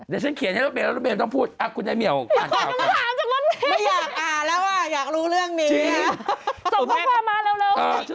มีสถานการณ์ในบ้านเราด้วยเนี่ยนะฮะ